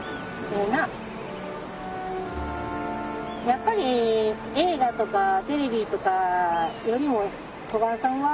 やっぱり映画とかテレビとかよりも小雁さんは。